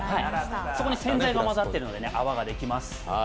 そこに洗剤が混ざっているので泡ができます。